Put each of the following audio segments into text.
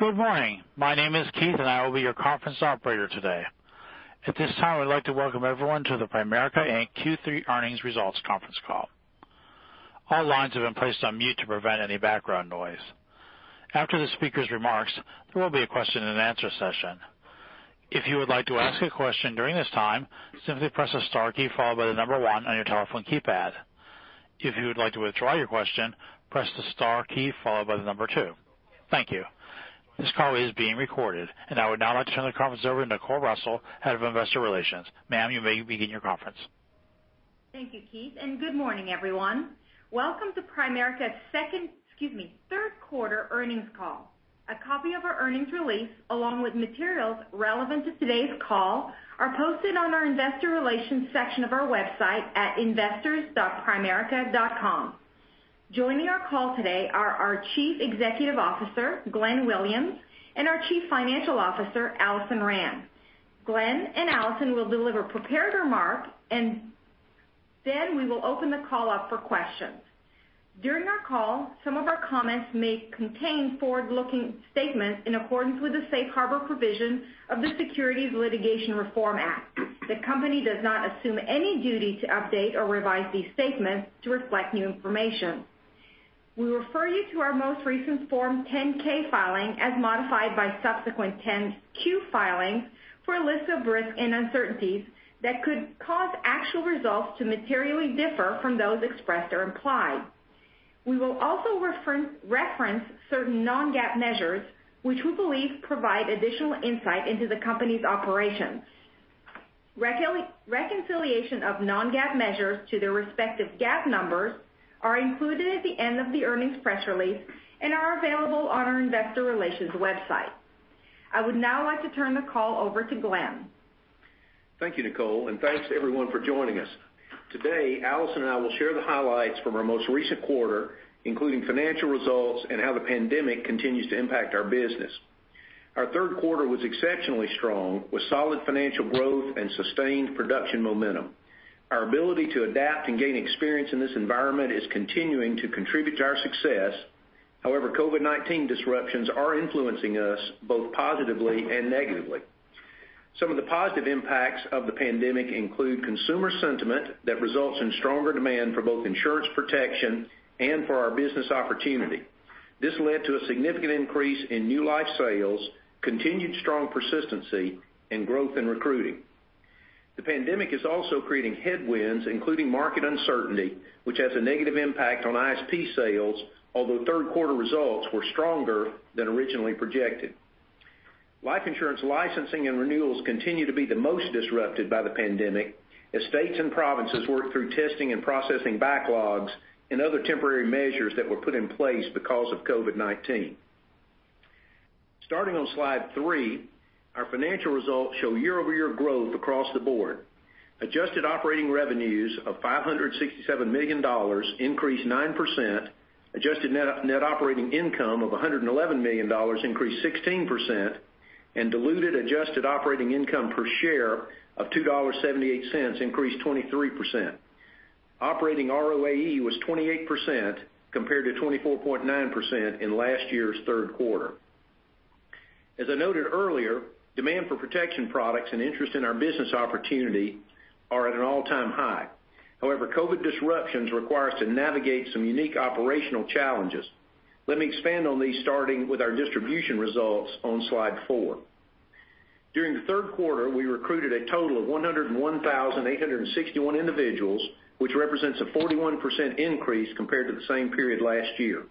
Good morning. My name is Keith and I will be your conference operator today. At this time, I'd like to welcome everyone to the Primerica, Inc. Q3 Earnings Results Conference Call. All lines have been placed on mute to prevent any background noise. After the speaker's remarks, there will be a question and answer session. If you would like to ask a question during this time, simply press the star key followed by the number one on your telephone keypad. If you would like to withdraw your question, press the star key followed by the number two. Thank you. This call is being recorded. I would now like to turn the conference over to Nicole Russell, Head of Investor Relations. Ma'am, you may begin your conference. Thank you, Keith. Good morning, everyone. Welcome to Primerica's third quarter earnings call. A copy of our earnings release, along with materials relevant to today's call, are posted on our investor relations section of our website at investors.primerica.com. Joining our call today are our Chief Executive Officer, Glenn Williams, and our Chief Financial Officer, Alison Rand. Glenn and Alison will deliver prepared remarks. Then we will open the call up for questions. During our call, some of our comments may contain forward-looking statements in accordance with the safe harbor provisions of the Private Securities Litigation Reform Act. The company does not assume any duty to update or revise these statements to reflect new information. We refer you to our most recent Form 10-K filing, as modified by subsequent 10-Q filings, for a list of risks and uncertainties that could cause actual results to materially differ from those expressed or implied. We will also reference certain non-GAAP measures, which we believe provide additional insight into the company's operations. Reconciliation of non-GAAP measures to their respective GAAP numbers are included at the end of the earnings press release and are available on our investor relations website. I would now like to turn the call over to Glenn. Thank you, Nicole. Thanks to everyone for joining us. Today, Alison and I will share the highlights from our most recent quarter, including financial results and how the pandemic continues to impact our business. Our third quarter was exceptionally strong, with solid financial growth and sustained production momentum. Our ability to adapt and gain experience in this environment is continuing to contribute to our success. However, COVID-19 disruptions are influencing us both positively and negatively. Some of the positive impacts of the pandemic include consumer sentiment that results in stronger demand for both insurance protection and for our business opportunity. This led to a significant increase in new life sales, continued strong persistency, and growth in recruiting. The pandemic is also creating headwinds, including market uncertainty, which has a negative impact on ISP sales, although third quarter results were stronger than originally projected. Life insurance licensing and renewals continue to be the most disrupted by the pandemic, as states and provinces work through testing and processing backlogs and other temporary measures that were put in place because of COVID-19. Starting on slide three, our financial results show year-over-year growth across the board. Adjusted operating revenues of $567 million, increased 9%, adjusted net operating income of $111 million, increased 16%, and diluted adjusted operating income per share of $2.78, increased 23%. Operating ROAE was 28%, compared to 24.9% in last year's third quarter. As I noted earlier, demand for protection products and interest in our business opportunity are at an all-time high. However, COVID disruptions require us to navigate some unique operational challenges. Let me expand on these, starting with our distribution results on Slide 4. During the third quarter, we recruited a total of 101,861 individuals, which represents a 41% increase compared to the same period last year.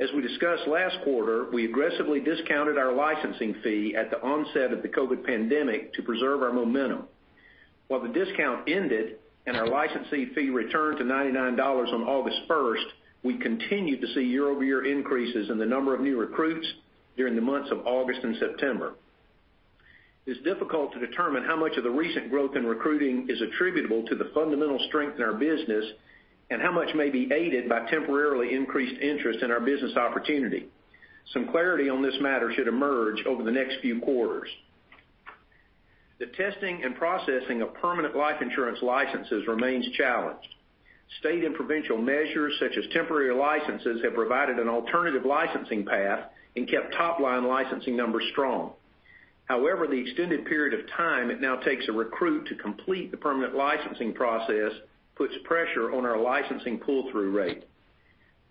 As we discussed last quarter, we aggressively discounted our licensing fee at the onset of the COVID pandemic to preserve our momentum. While the discount ended and our licensing fee returned to $99 on August 1st, we continued to see year-over-year increases in the number of new recruits during the months of August and September. It's difficult to determine how much of the recent growth in recruiting is attributable to the fundamental strength in our business and how much may be aided by temporarily increased interest in our business opportunity. Some clarity on this matter should emerge over the next few quarters. The testing and processing of permanent life insurance licenses remains challenged. State and provincial measures such as temporary licenses have provided an alternative licensing path and kept top-line licensing numbers strong. However, the extended period of time it now takes a recruit to complete the permanent licensing process puts pressure on our licensing pull-through rate.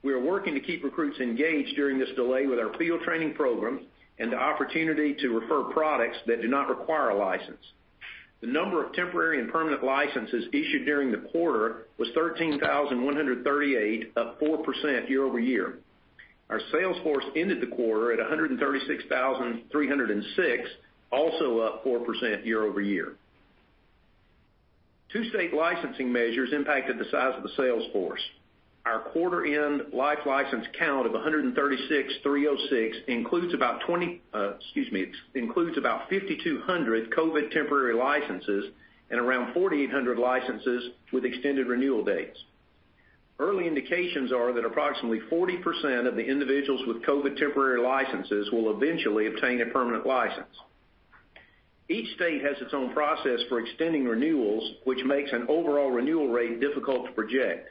We are working to keep recruits engaged during this delay with our field training programs and the opportunity to refer products that do not require a license. The number of temporary and permanent licenses issued during the quarter was 13,138, up 4% year-over-year. Our sales force ended the quarter at 136,306, also up 4% year-over-year. Two state licensing measures impacted the size of the sales force. Our quarter end life license count of 136,306 includes about 5,200 COVID temporary licenses and around 4,800 licenses with extended renewal dates. Early indications are that approximately 40% of the individuals with COVID temporary licenses will eventually obtain a permanent license. Each state has its own process for extending renewals, which makes an overall renewal rate difficult to project.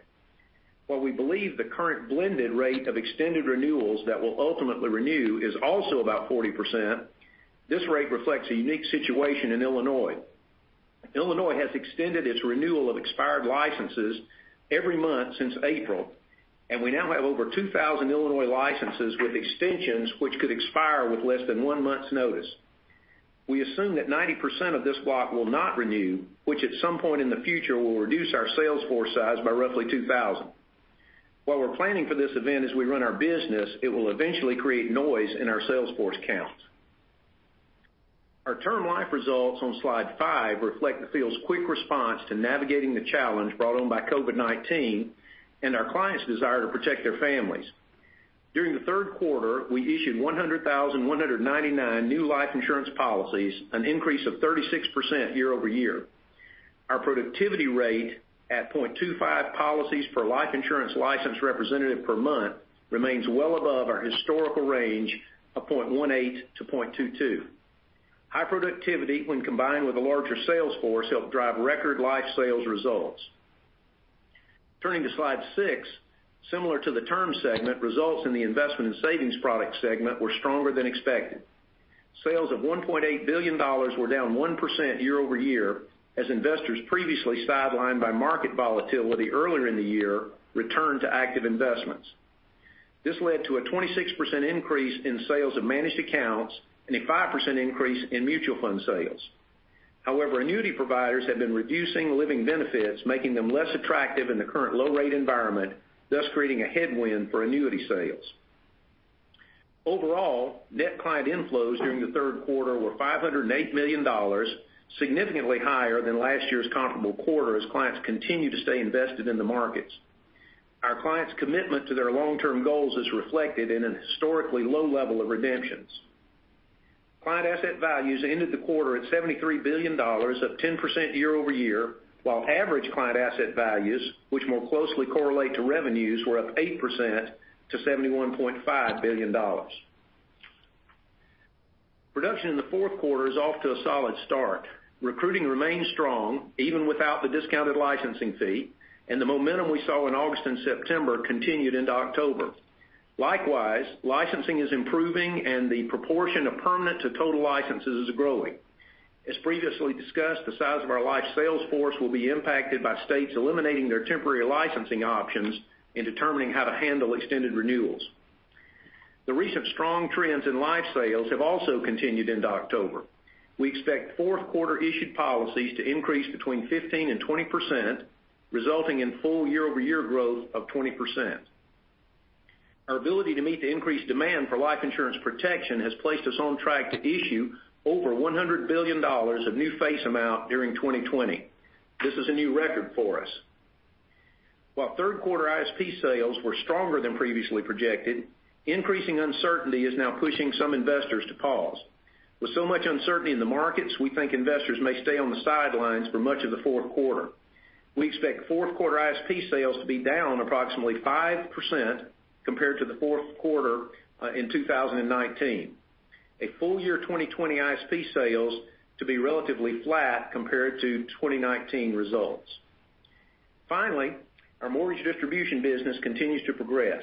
While we believe the current blended rate of extended renewals that will ultimately renew is also about 40%, this rate reflects a unique situation in Illinois. Illinois has extended its renewal of expired licenses every month since April, and we now have over 2,000 Illinois licenses with extensions which could expire with less than one month's notice. We assume that 90% of this block will not renew, which at some point in the future will reduce our sales force size by roughly 2,000. While we're planning for this event as we run our business, it will eventually create noise in our sales force count. Our Term Life results on slide five reflect the field's quick response to navigating the challenge brought on by COVID-19 and our clients' desire to protect their families. During the third quarter, we issued 100,199 new life insurance policies, an increase of 36% year-over-year. Our productivity rate at 0.25 policies per life insurance licensed representative per month remains well above our historical range of 0.18-0.22. High productivity when combined with a larger sales force helped drive record life sales results. Turning to slide six, similar to the Term segment, results in the Investment and Savings Product segment were stronger than expected. Sales of $1.8 billion were down 1% year-over-year as investors previously sidelined by market volatility earlier in the year returned to active investments. This led to a 26% increase in sales of managed accounts and a 5% increase in mutual fund sales. Annuity providers have been reducing living benefits, making them less attractive in the current low-rate environment, thus creating a headwind for annuity sales. Overall, net client inflows during the third quarter were $508 million, significantly higher than last year's comparable quarter as clients continue to stay invested in the markets. Our clients' commitment to their long-term goals is reflected in an historically low level of redemptions. Client asset values ended the quarter at $73 billion, up 10% year-over-year, while average client asset values, which more closely correlate to revenues, were up 8% to $71.5 billion. Production in the fourth quarter is off to a solid start. Recruiting remains strong even without the discounted licensing fee, and the momentum we saw in August and September continued into October. Likewise, licensing is improving and the proportion of permanent to total licenses is growing. As previously discussed, the size of our life sales force will be impacted by states eliminating their temporary licensing options in determining how to handle extended renewals. The recent strong trends in life sales have also continued into October. We expect fourth quarter issued policies to increase between 15%-20%, resulting in full year-over-year growth of 20%. Our ability to meet the increased demand for life insurance protection has placed us on track to issue over $100 billion of new face amount during 2020. This is a new record for us. While third quarter ISP sales were stronger than previously projected, increasing uncertainty is now pushing some investors to pause. With so much uncertainty in the markets, we think investors may stay on the sidelines for much of the fourth quarter. We expect fourth quarter ISP sales to be down approximately 5% compared to the fourth quarter in 2019. A full year 2020 ISP sales to be relatively flat compared to 2019 results. Finally, our mortgage distribution business continues to progress.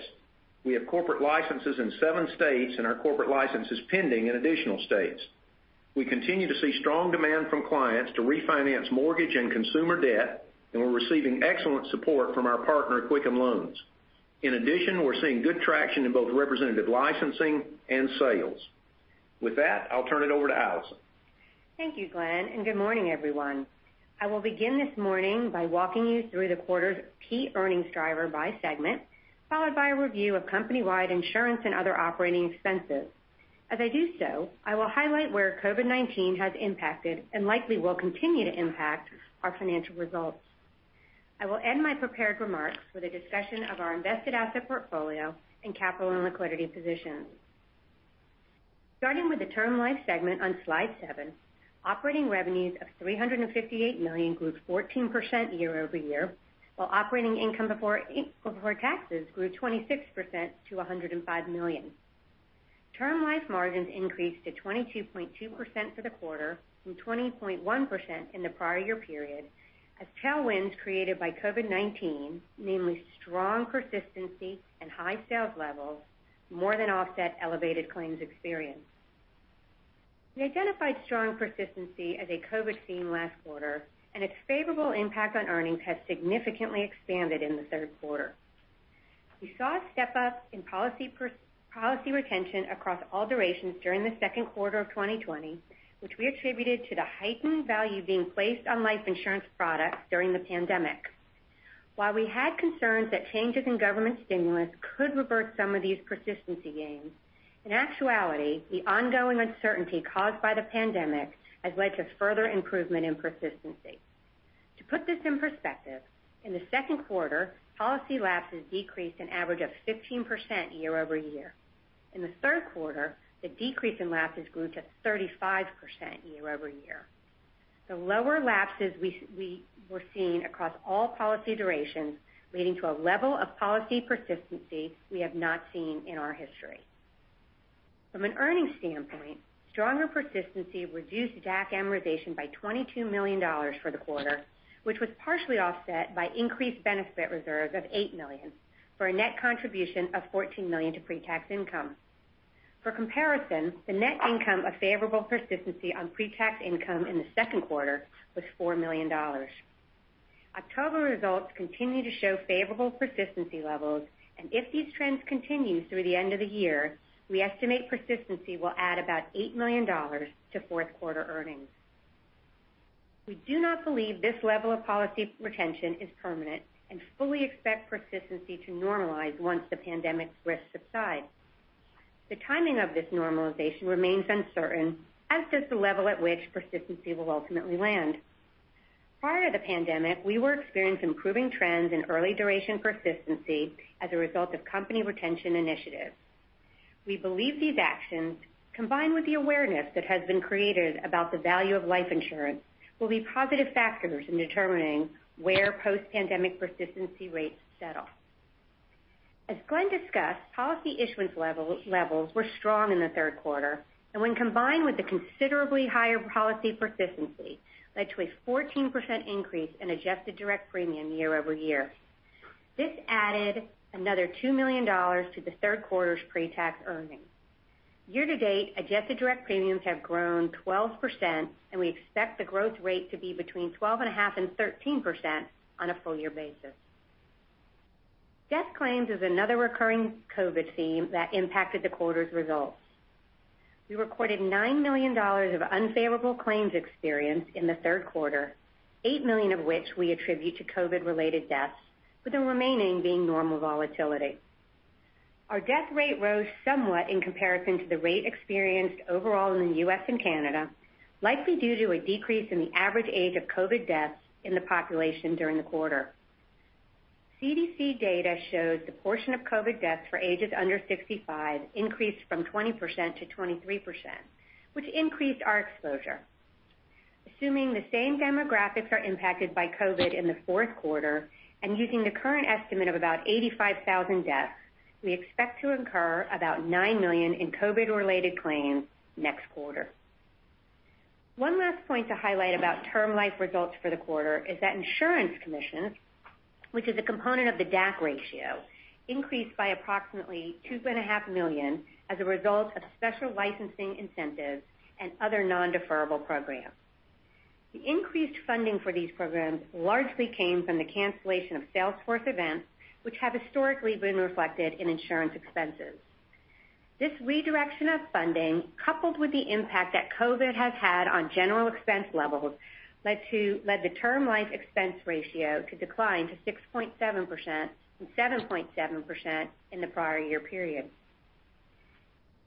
We have corporate licenses in seven states and our corporate license is pending in additional states. We continue to see strong demand from clients to refinance mortgage and consumer debt, and we're receiving excellent support from our partner, Quicken Loans. In addition, we're seeing good traction in both representative licensing and sales. With that, I'll turn it over to Alison. Thank you, Glenn, and good morning, everyone. I will begin this morning by walking you through the quarter's key earnings driver by segment, followed by a review of company-wide insurance and other operating expenses. As I do so, I will highlight where COVID-19 has impacted and likely will continue to impact our financial results. I will end my prepared remarks with a discussion of our invested asset portfolio and capital and liquidity position. Starting with the Term Life segment on slide seven, operating revenues of $358 million grew 14% year-over-year, while operating income before taxes grew 26% to $105 million. Term Life margins increased to 22.2% for the quarter from 20.1% in the prior year period as tailwinds created by COVID-19, namely strong persistency and high sales levels, more than offset elevated claims experience. We identified strong persistency as a COVID theme last quarter. Its favorable impact on earnings has significantly expanded in the third quarter. We saw a step-up in policy retention across all durations during the second quarter of 2020, which we attributed to the heightened value being placed on life insurance products during the pandemic. While we had concerns that changes in government stimulus could revert some of these persistency gains, in actuality, the ongoing uncertainty caused by the pandemic has led to further improvement in persistency. To put this in perspective, in the second quarter, policy lapses decreased an average of 15% year-over-year. In the third quarter, the decrease in lapses grew to 35% year-over-year. The lower lapses we're seeing across all policy durations leading to a level of policy persistency we have not seen in our history. From an earnings standpoint, stronger persistency reduced DAC amortization by $22 million for the quarter, which was partially offset by increased benefit reserves of $8 million for a net contribution of $14 million to pre-tax income. For comparison, the net income of favorable persistency on pre-tax income in the second quarter was $4 million. October results continue to show favorable persistency levels. If these trends continue through the end of the year, we estimate persistency will add about $8 million to fourth quarter earnings. We do not believe this level of policy retention is permanent and fully expect persistency to normalize once the pandemic risks subside. The timing of this normalization remains uncertain, as does the level at which persistency will ultimately land. Prior to the pandemic, we were experiencing improving trends in early duration persistency as a result of company retention initiatives. We believe these actions, combined with the awareness that has been created about the value of life insurance, will be positive factors in determining where post-pandemic persistency rates settle. As Glenn discussed, policy issuance levels were strong in the third quarter. When combined with the considerably higher policy persistency, led to a 14% increase in adjusted direct premium year-over-year. This added another $2 million to the third quarter's pre-tax earnings. Year to date, adjusted direct premiums have grown 12%. We expect the growth rate to be between 12.5% and 13% on a full year basis. Death claims is another recurring COVID theme that impacted the quarter's results. We recorded $9 million of unfavorable claims experience in the third quarter, $8 million of which we attribute to COVID related deaths, with the remaining being normal volatility. Our death rate rose somewhat in comparison to the rate experienced overall in the U.S. and Canada, likely due to a decrease in the average age of COVID deaths in the population during the quarter. CDC data shows the portion of COVID deaths for ages under 65 increased from 20% to 23%, which increased our exposure. Assuming the same demographics are impacted by COVID in the fourth quarter, and using the current estimate of about 85,000 deaths, we expect to incur about $9 million in COVID related claims next quarter. One last point to highlight about Term Life results for the quarter is that insurance commissions, which is a component of the DAC ratio, increased by approximately $2.5 million as a result of special licensing incentives and other non-deferrable programs. The increased funding for these programs largely came from the cancellation of Salesforce events, which have historically been reflected in insurance expenses. This redirection of funding, coupled with the impact that COVID has had on general expense levels, led the Term Life expense ratio to decline to 6.7% from 7.7% in the prior year period.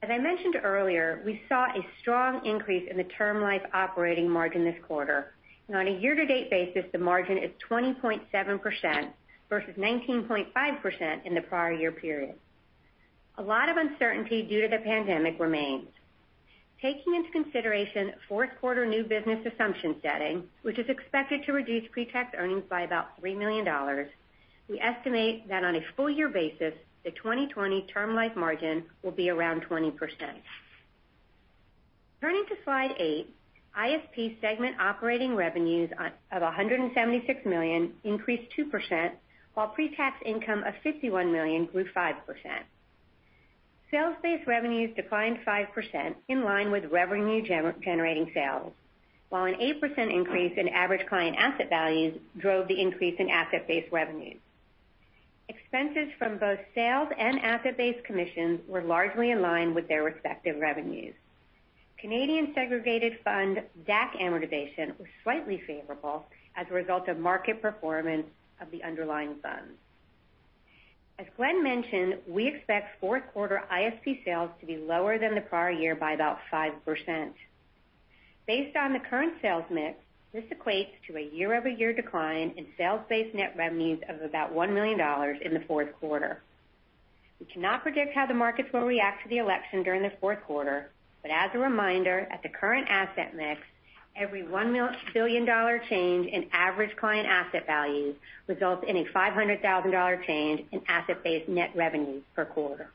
As I mentioned earlier, we saw a strong increase in the Term Life operating margin this quarter. On a year-to-date basis, the margin is 20.7% versus 19.5% in the prior year period. A lot of uncertainty due to the pandemic remains. Taking into consideration fourth quarter new business assumption setting, which is expected to reduce pre-tax earnings by about $3 million, we estimate that on a full year basis, the 2020 Term Life margin will be around 20%. Turning to slide eight, ISP segment operating revenues of $176 million increased 2%, while pre-tax income of $51 million grew 5%. Sales-based revenues declined 5% in line with revenue-generating sales, while an 8% increase in average client asset values drove the increase in asset-based revenues. Expenses from both sales and asset-based commissions were largely in line with their respective revenues. Canadian segregated fund DAC amortization was slightly favorable as a result of market performance of the underlying funds. As Glenn mentioned, we expect fourth quarter ISP sales to be lower than the prior year by about 5%. Based on the current sales mix, this equates to a year-over-year decline in sales-based net revenues of about $1 million in the fourth quarter. We cannot predict how the markets will react to the election during the fourth quarter, but as a reminder, at the current asset mix, every $1 billion change in average client asset value results in a $500,000 change in asset-based net revenue per quarter.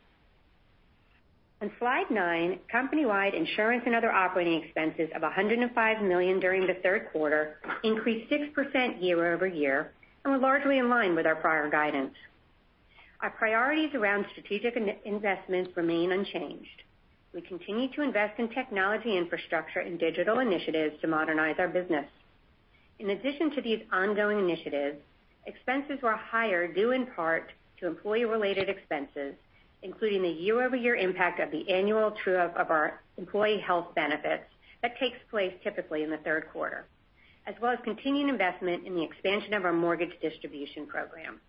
On slide nine, company-wide insurance and other operating expenses of $105 million during the third quarter increased 6% year-over-year and were largely in line with our prior guidance. Our priorities around strategic investments remain unchanged. We continue to invest in technology infrastructure and digital initiatives to modernize our business. In addition to these ongoing initiatives, expenses were higher due in part to employee related expenses, including the year-over-year impact of the annual true-up of our employee health benefits that takes place typically in the third quarter, as well as continuing investment in the expansion of our mortgage distribution program.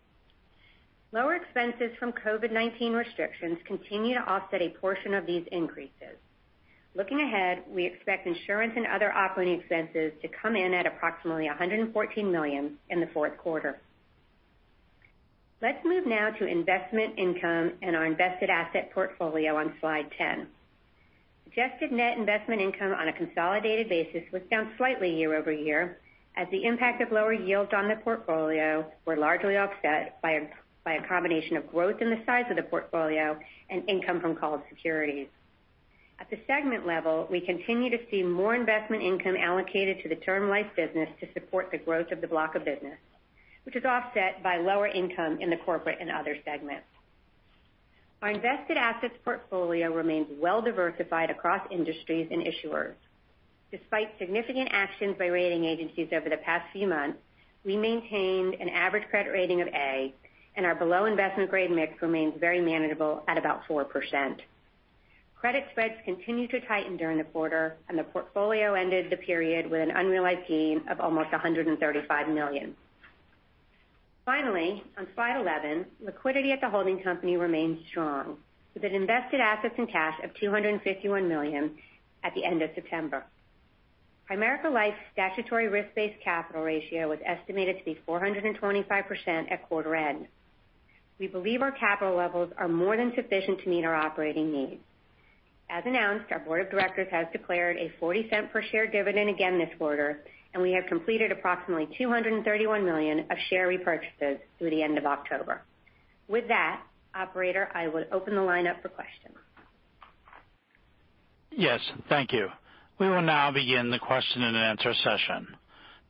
Lower expenses from COVID-19 restrictions continue to offset a portion of these increases. Looking ahead, we expect insurance and other operating expenses to come in at approximately $114 million in the fourth quarter. Let's move now to investment income and our invested asset portfolio on slide 10. Adjusted net investment income on a consolidated basis was down slightly year-over-year, as the impact of lower yields on the portfolio were largely offset by a combination of growth in the size of the portfolio and income from called securities. At the segment level, we continue to see more investment income allocated to the Term Life business to support the growth of the block of business, which is offset by lower income in the Corporate and Other segments. Our invested assets portfolio remains well diversified across industries and issuers. Despite significant actions by rating agencies over the past few months, we maintained an average credit rating of A, and our below-investment grade mix remains very manageable at about 4%. Credit spreads continued to tighten during the quarter, and the portfolio ended the period with an unrealized gain of almost $135 million. Finally, on slide 11, liquidity at the holding company remains strong, with invested assets and cash of $251 million at the end of September. Primerica Life's statutory risk-based capital ratio was estimated to be 425% at quarter end. We believe our capital levels are more than sufficient to meet our operating needs. As announced, our board of directors has declared a $0.40 per share dividend again this quarter, and we have completed approximately $231 million of share repurchases through the end of October. With that, operator, I would open the line up for questions. Yes. Thank you. We will now begin the question and answer session.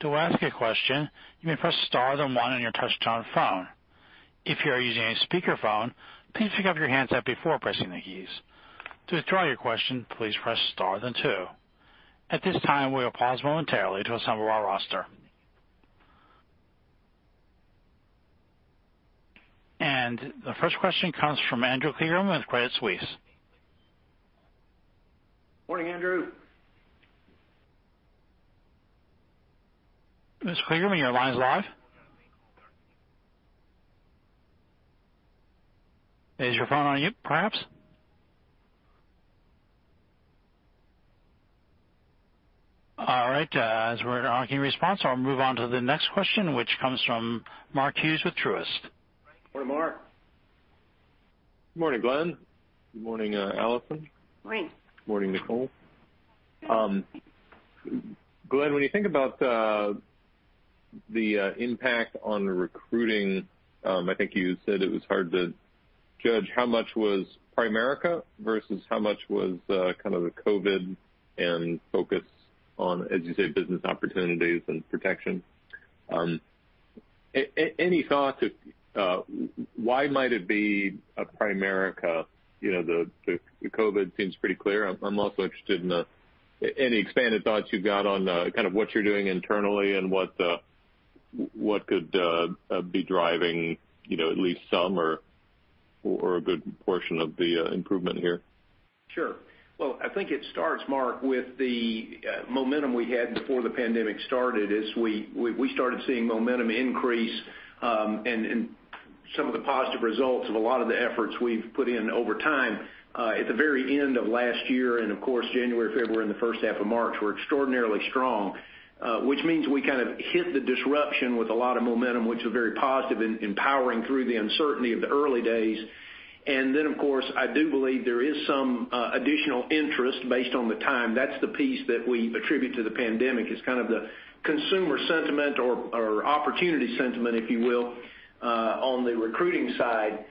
To ask a question, you may press star, then one on your touchtone phone. If you are using a speakerphone, please pick up your handset before pressing the keys. To withdraw your question, please press star, then two. At this time, we will pause momentarily to assemble our roster. The first question comes from Andrew Kligerman with Credit Suisse. Morning, Andrew. Mr. Kligerman, your line is live. Is your phone on mute perhaps? All right. As we're not getting a response, I'll move on to the next question, which comes from Mark Hughes with Truist. Morning, Mark. Morning, Glenn. Morning, Alison. Morning. Morning, Nicole. Glenn, when you think about the impact on recruiting, I think you said it was hard to judge how much was Primerica versus how much was kind of the COVID and focus on, as you said, business opportunities and protection. Any thoughts of why might it be a Primerica? The COVID seems pretty clear. I'm also interested in any expanded thoughts you've got on kind of what you're doing internally and what could be driving at least some or a good portion of the improvement here. Sure. I think it starts, Mark, with the momentum we had before the pandemic started as we started seeing momentum increase, some of the positive results of a lot of the efforts we've put in over time at the very end of last year, and of course, January, February, and the first half of March were extraordinarily strong. We kind of hit the disruption with a lot of momentum, which is very positive in powering through the uncertainty of the early days. Of course, I do believe there is some additional interest based on the time. That's the piece that we attribute to the pandemic. It's kind of the consumer sentiment or opportunity sentiment, if you will, on the recruiting side.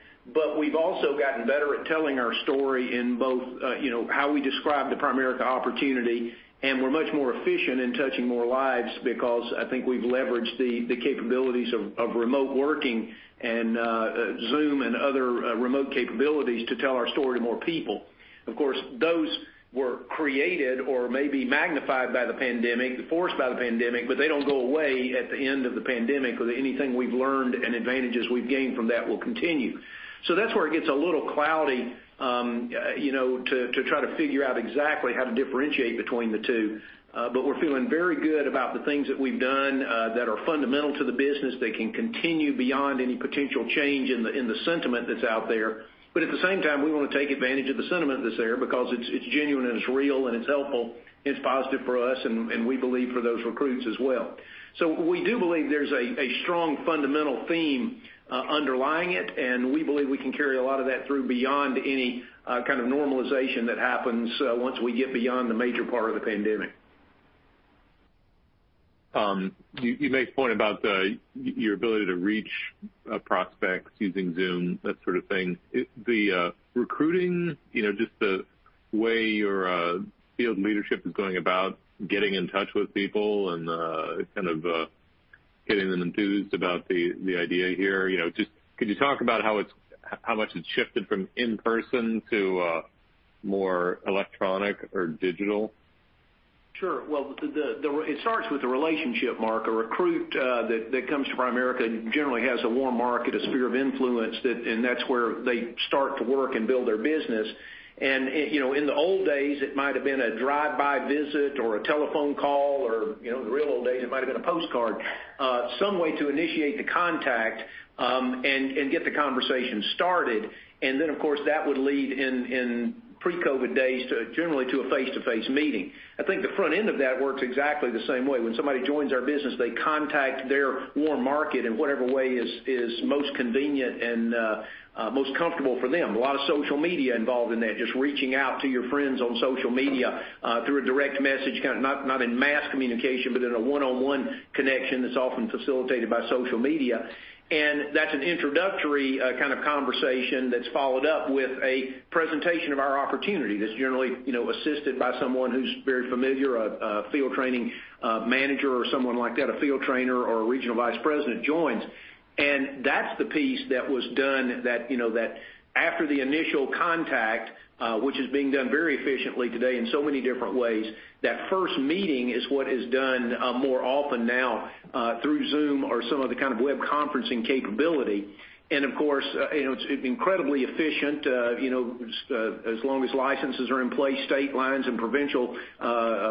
We've also gotten better at telling our story in both how we describe the Primerica opportunity, we're much more efficient in touching more lives because I think we've leveraged the capabilities of remote working and Zoom and other remote capabilities to tell our story to more people. Of course, those were created or maybe magnified by the pandemic, forced by the pandemic, they don't go away at the end of the pandemic because anything we've learned and advantages we've gained from that will continue. That's where it gets a little cloudy to try to figure out exactly how to differentiate between the two. We're feeling very good about the things that we've done that are fundamental to the business that can continue beyond any potential change in the sentiment that's out there. At the same time, we want to take advantage of the sentiment that's there because it's genuine and it's real, it's helpful. It's positive for us and we believe for those recruits as well. We do believe there's a strong fundamental theme underlying it, we believe we can carry a lot of that through beyond any kind of normalization that happens once we get beyond the major part of the pandemic. You make a point about your ability to reach prospects using Zoom, that sort of thing. The recruiting, just the way your field leadership is going about getting in touch with people and kind of getting them enthused about the idea here. Could you talk about how much it's shifted from in-person to more electronic or digital? Sure. Well, it starts with the relationship, Mark. A recruit that comes to Primerica generally has a warm market, a sphere of influence, and that's where they start to work and build their business. In the old days, it might have been a drive-by visit or a telephone call, or in the real old days, it might have been a postcard, some way to initiate the contact, and get the conversation started. Then, of course, that would lead in pre-COVID days, generally to a face-to-face meeting. I think the front end of that works exactly the same way. When somebody joins our business, they contact their warm market in whatever way is most convenient and most comfortable for them. A lot of social media involved in that, just reaching out to your friends on social media, through a direct message, kind of not in mass communication, but in a one-on-one connection that's often facilitated by social media. That's an introductory kind of conversation that's followed up with a presentation of our opportunity that's generally assisted by someone who's very familiar, a field training manager or someone like that, a field trainer or a regional vice president joins. That's the piece that was done that after the initial contact, which is being done very efficiently today in so many different ways, that first meeting is what is done more often now, through Zoom or some other kind of web conferencing capability. Of course, it's incredibly efficient, as long as licenses are in place, state lines and provincial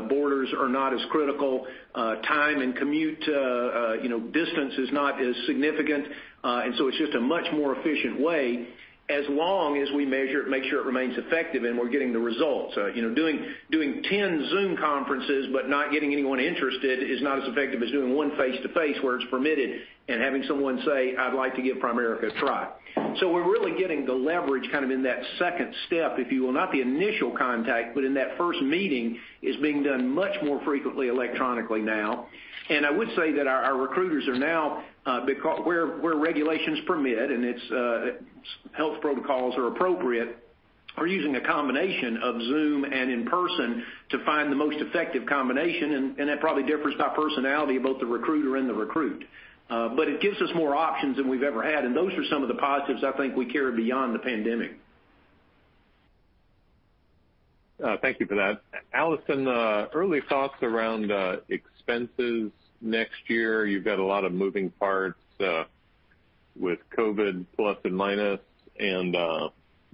borders are not as critical. Time and commute distance is not as significant. It's just a much more efficient way as long as we make sure it remains effective and we're getting the results. Doing 10 Zoom conferences but not getting anyone interested is not as effective as doing one face-to-face where it's permitted and having someone say, "I'd like to give Primerica a try." We're really getting the leverage kind of in that second step, if you will, not the initial contact, but in that first meeting is being done much more frequently electronically now. I would say that our recruiters are now, where regulations permit and its health protocols are appropriate, are using a combination of Zoom and in-person to find the most effective combination, and that probably differs by personality of both the recruiter and the recruit. It gives us more options than we've ever had, and those are some of the positives I think we carry beyond the pandemic. Thank you for that. Alison, early thoughts around expenses next year. You've got a lot of moving parts, with COVID plus and minus and,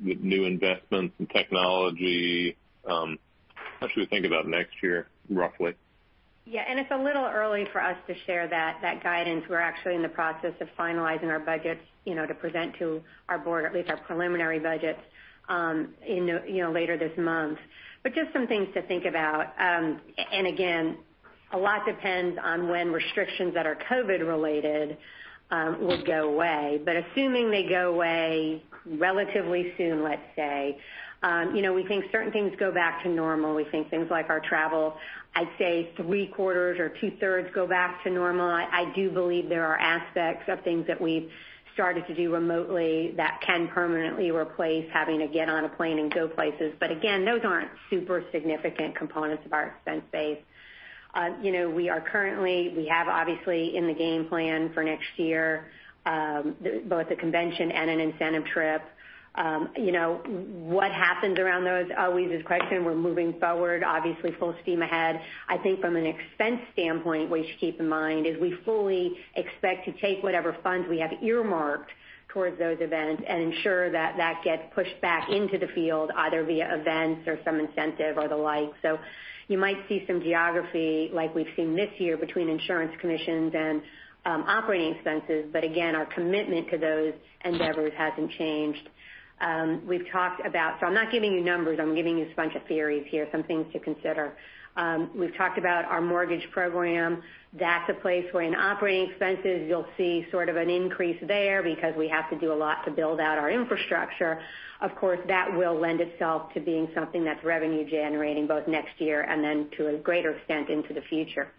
with new investments in technology. How should we think about next year, roughly? Yeah. It's a little early for us to share that guidance. We're actually in the process of finalizing our budgets to present to our board, at least our preliminary budgets, later this month. Just some things to think about. Again, a lot depends on when restrictions that are COVID related will go away. Assuming they go away relatively soon, let's say, we think certain things go back to normal. We think things like our travel, I'd say three quarters or two-thirds go back to normal. I do believe there are aspects of things that we've started to do remotely that can permanently replace having to get on a plane and go places. Again, those aren't super significant components of our expense base. We have obviously in the game plan for next year, both a convention and an incentive trip. What happens around those always is question. We're moving forward, obviously full steam ahead. I think from an expense standpoint, we should keep in mind is we fully expect to take whatever funds we have earmarked towards those events and ensure that that gets pushed back into the field either via events or some incentive or the like. You might see some geography like we've seen this year between insurance commissions and operating expenses, again, our commitment to those endeavors hasn't changed. I'm not giving you numbers, I'm giving you a bunch of theories here, some things to consider. We've talked about our mortgage program. That's a place where in operating expenses, you'll see sort of an increase there because we have to do a lot to build out our infrastructure. Of course, that will lend itself to being something that's revenue generating both next year and then to a greater extent into the future.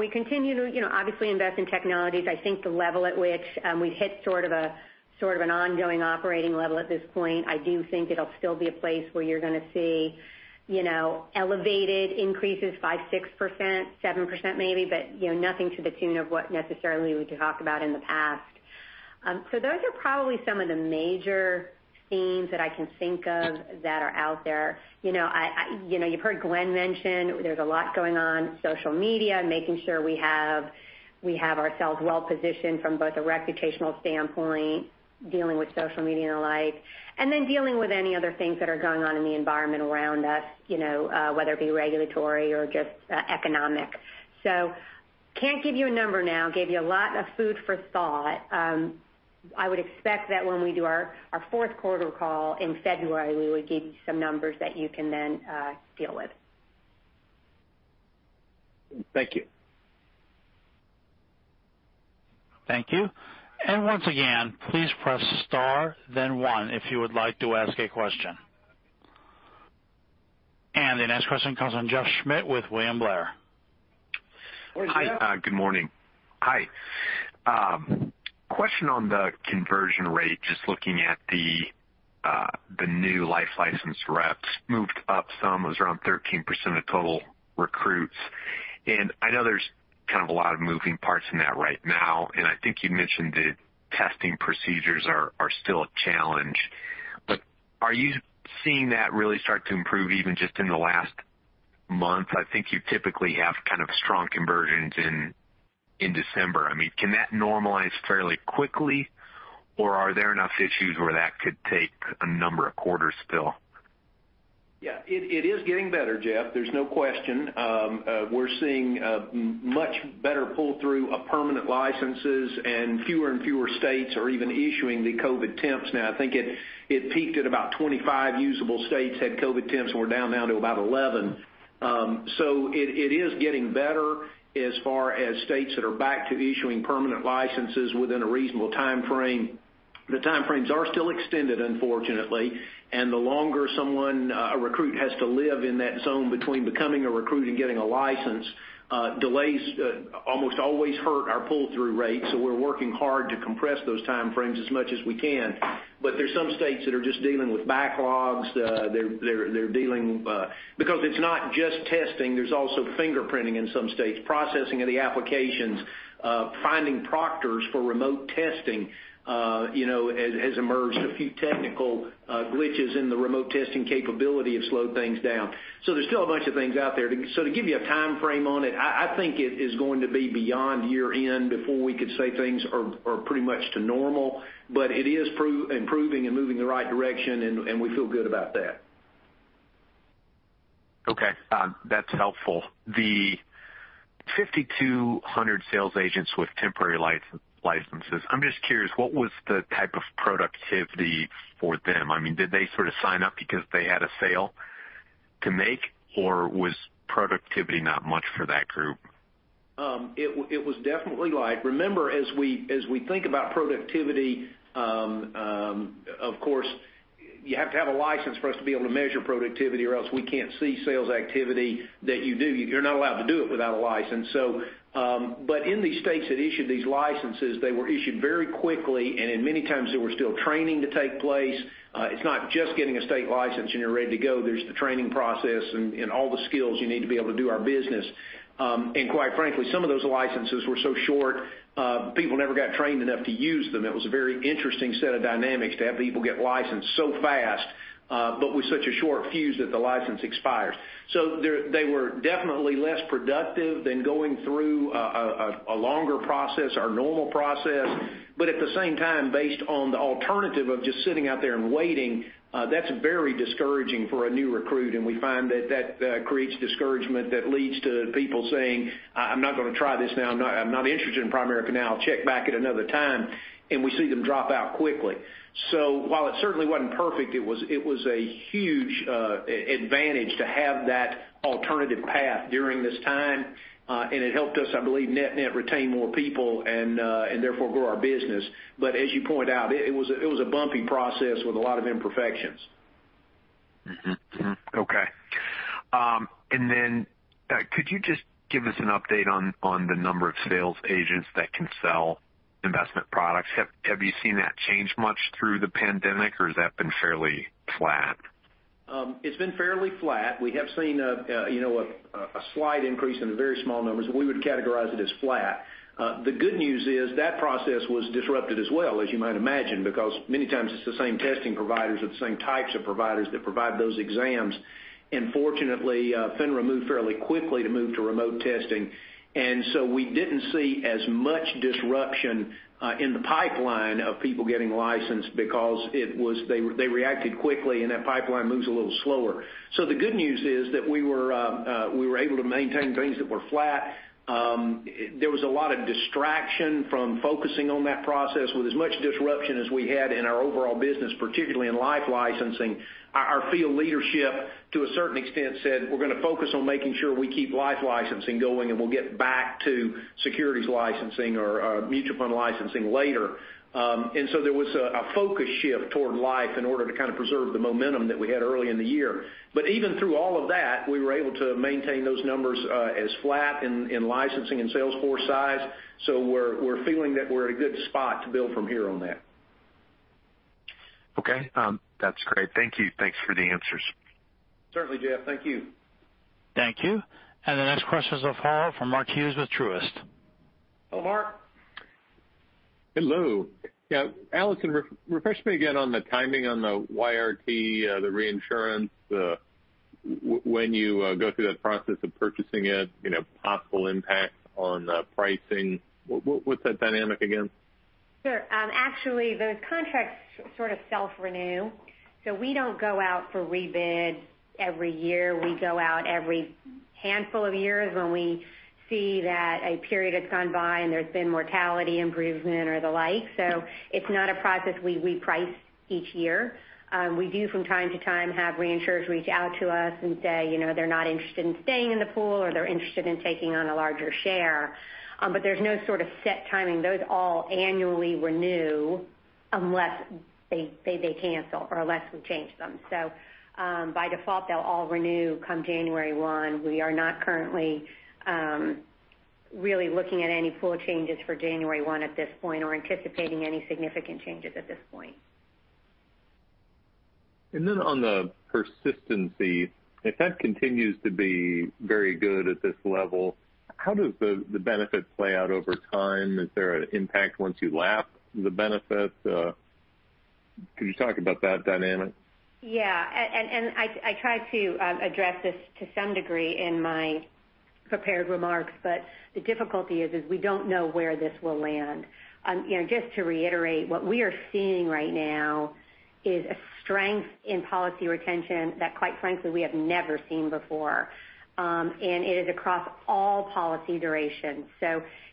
We continue to obviously invest in technologies. I think the level at which we've hit sort of an ongoing operating level at this point. I do think it'll still be a place where you're going to see elevated increases by 6%, 7% maybe, nothing to the tune of what necessarily we could talk about in the past. Those are probably some of the major themes that I can think of that are out there. You've heard Glenn mention there's a lot going on, social media, making sure we have ourselves well positioned from both a reputational standpoint, dealing with social media and the like, dealing with any other things that are going on in the environment around us, whether it be regulatory or just economic. Can't give you a number now. Gave you a lot of food for thought. I would expect that when we do our fourth quarter call in February, we would give you some numbers that you can then deal with. Thank you. Thank you. Once again, please press star then one if you would like to ask a question. The next question comes on Jeff Schmitt with William Blair. Hi, Jeff. Good morning. Hi. Question on the conversion rate, just looking at the new life license reps moved up some. It was around 13% of total recruits. I know there's kind of a lot of moving parts in that right now, and I think you mentioned the testing procedures are still a challenge. Are you seeing that really start to improve even just in the last month? I think you typically have kind of strong conversions in December. Can that normalize fairly quickly? Are there enough issues where that could take a number of quarters still? Yeah. It is getting better, Jeff. There's no question. We're seeing a much better pull-through of permanent licenses and fewer and fewer states are even issuing the COVID temps now. I think it peaked at about 25 usable states had COVID temps and we're down now to about 11. It is getting better as far as states that are back to issuing permanent licenses within a reasonable timeframe. The timeframes are still extended, unfortunately, and the longer a recruit has to live in that zone between becoming a recruit and getting a license, delays almost always hurt our pull-through rate. We're working hard to compress those timeframes as much as we can. There's some states that are just dealing with backlogs. It's not just testing, there's also fingerprinting in some states, processing of the applications, finding proctors for remote testing has emerged. A few technical glitches in the remote testing capability have slowed things down. There's still a bunch of things out there. To give you a timeframe on it, I think it is going to be beyond year-end before we could say things are pretty much to normal. It is improving and moving in the right direction, and we feel good about that. Okay. That's helpful. The 5,200 sales agents with temporary licenses, I'm just curious, what was the type of productivity for them? Did they sort of sign up because they had a sale to make, or was productivity not much for that group? It was definitely. Remember, as we think about productivity, of course, you have to have a license for us to be able to measure productivity, or else we can't see sales activity that you do. You're not allowed to do it without a license. In these states that issued these licenses, they were issued very quickly, and in many times there were still training to take place. It's not just getting a state license and you're ready to go. There's the training process and all the skills you need to be able to do our business. Quite frankly, some of those licenses were so short, people never got trained enough to use them. It was a very interesting set of dynamics to have people get licensed so fast, but with such a short fuse that the license expires. They were definitely less productive than going through a longer process, our normal process. At the same time, based on the alternative of just sitting out there and waiting, that's very discouraging for a new recruit, and we find that that creates discouragement that leads to people saying, "I'm not going to try this now. I'm not interested in Primerica now. I'll check back at another time." We see them drop out quickly. While it certainly wasn't perfect, it was a huge advantage to have that alternative path during this time. It helped us, I believe, net retain more people and therefore grow our business. As you point out, it was a bumpy process with a lot of imperfections. Okay. Could you just give us an update on the number of sales agents that can sell investment products? Have you seen that change much through the pandemic, or has that been fairly flat? It's been fairly flat. We have seen a slight increase in the very small numbers. We would categorize it as flat. The good news is that process was disrupted as well, as you might imagine, because many times it's the same testing providers or the same types of providers that provide those exams. Fortunately, FINRA moved fairly quickly to move to remote testing. We didn't see as much disruption in the pipeline of people getting licensed because they reacted quickly, and that pipeline moves a little slower. The good news is that we were able to maintain things that were flat. There was a lot of distraction from focusing on that process with as much disruption as we had in our overall business, particularly in life licensing. Our field leadership, to a certain extent said, "We're going to focus on making sure we keep life licensing going, and we'll get back to securities licensing or mutual fund licensing later." There was a focus shift toward life in order to kind of preserve the momentum that we had early in the year. Even through all of that, we were able to maintain those numbers as flat in licensing and sales force size. We're feeling that we're at a good spot to build from here on that. Okay, that's great. Thank you. Thanks for the answers. Certainly, Jeff. Thank you. Thank you. The next question is with Mark Hughes with Truist. Hello, Mark. Hello. Yeah, Alison, refresh me again on the timing on the YRT, the reinsurance, when you go through that process of purchasing it, possible impacts on pricing. What's that dynamic again? Sure. Actually, the contracts sort of self-renew. We don't go out for rebid every year. We go out every handful of years when we see that a period has gone by and there's been mortality improvement or the like. It's not a process we reprice each year. We do from time to time have reinsurers reach out to us and say, they're not interested in staying in the pool, or they're interested in taking on a larger share. There's no sort of set timing. Those all annually renew unless they cancel or unless we change them. By default, they'll all renew come January 1. We are not currently really looking at any pool changes for January 1 at this point or anticipating any significant changes at this point. On the persistency, if that continues to be very good at this level, how does the benefit play out over time? Is there an impact once you lap the benefit? Could you talk about that dynamic? Yeah. I tried to address this to some degree in my prepared remarks, the difficulty is we don't know where this will land. Just to reiterate, what we are seeing right now is a strength in policy retention that quite frankly, we have never seen before. It is across all policy durations.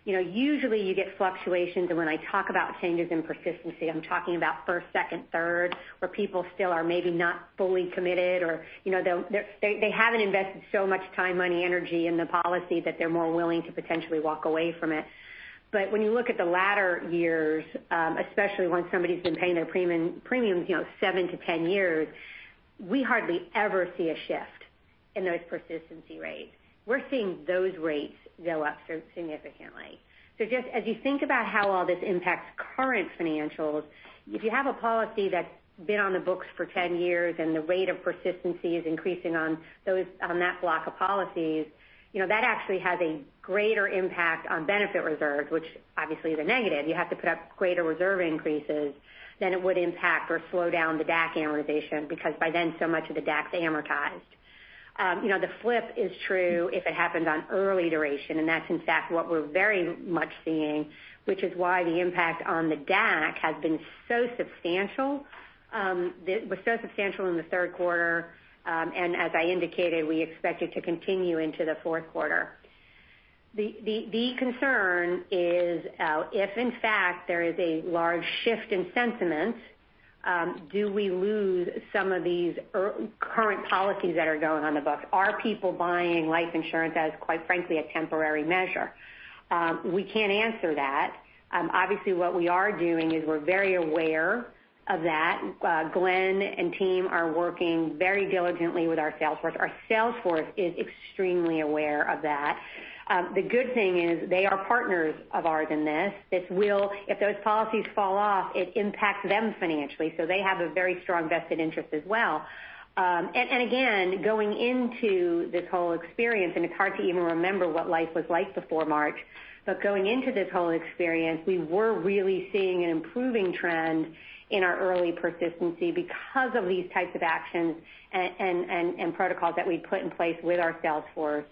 Usually you get fluctuations, and when I talk about changes in persistency, I'm talking about first, second, third, where people still are maybe not fully committed or they haven't invested so much time, money, energy in the policy that they're more willing to potentially walk away from it. When you look at the latter years, especially when somebody's been paying their premiums seven to 10 years, we hardly ever see a shift in those persistency rates. We're seeing those rates go up significantly. Just as you think about how all this impacts current financials, if you have a policy that's been on the books for 10 years and the rate of persistency is increasing on that block of policies, that actually has a greater impact on benefit reserves, which obviously is a negative. You have to put up greater reserve increases than it would impact or slow down the DAC amortization, because by then so much of the DAC's amortized. The flip is true if it happens on early duration, and that's in fact what we're very much seeing, which is why the impact on the DAC has been so substantial, was so substantial in the third quarter, and as I indicated, we expect it to continue into the fourth quarter. The concern is if in fact there is a large shift in sentiment, do we lose some of these current policies that are going on the books? Are people buying life insurance as, quite frankly, a temporary measure? We can't answer that. Obviously, what we are doing is we're very aware of that. Glenn and team are working very diligently with our sales force. Our sales force is extremely aware of that. The good thing is they are partners of ours in this. If those policies fall off, it impacts them financially, they have a very strong vested interest as well. Again, going into this whole experience, and it's hard to even remember what life was like before March, but going into this whole experience, we were really seeing an improving trend in our early persistency because of these types of actions and protocols that we put in place with our sales force.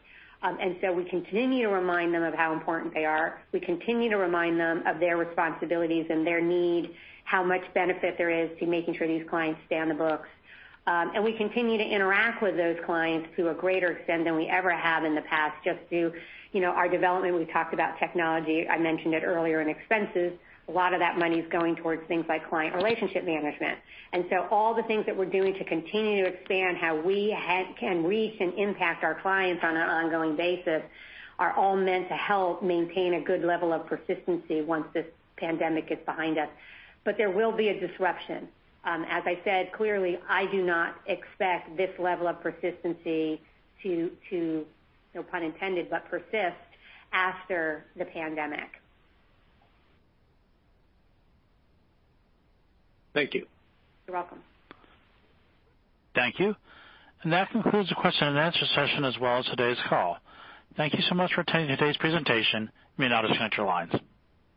We continue to remind them of how important they are. We continue to remind them of their responsibilities and their need, how much benefit there is to making sure these clients stay on the books. We continue to interact with those clients to a greater extent than we ever have in the past, just through our development. We talked about technology, I mentioned it earlier in expenses. A lot of that money is going towards things like client relationship management. All the things that we're doing to continue to expand how we can reach and impact our clients on an ongoing basis are all meant to help maintain a good level of persistency once this pandemic is behind us. There will be a disruption. As I said, clearly, I do not expect this level of persistency to, no pun intended, but persist after the pandemic. Thank you. You're welcome. Thank you. That concludes the question and answer session as well as today's call. Thank you so much for attending today's presentation. You may now disconnect your lines.